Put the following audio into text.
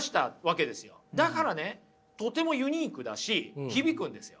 だからねとてもユニークだし響くんですよ。